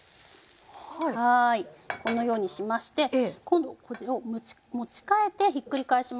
このようにしまして今度これを持ち替えてひっくり返します。